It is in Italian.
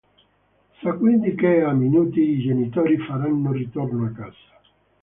Sa quindi che a minuti i genitori faranno ritorno a casa.